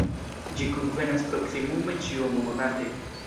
Ĝi kunvenas proksimume ĉiumonate.